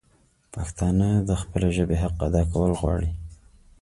پښتانه د خپلي ژبي حق ادا کول غواړي